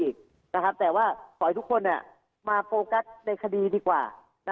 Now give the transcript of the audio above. อีกนะครับแต่ว่าขอให้ทุกคนเนี่ยมาโฟกัสในคดีดีกว่านะ